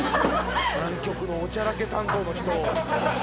南極のおちゃらけ担当の人。